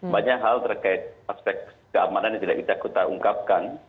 banyak hal terkait aspek keamanan yang tidak bisa kita ungkapkan